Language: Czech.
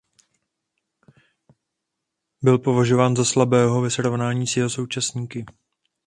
Byl považován za slabého ve srovnání s jeho současníky.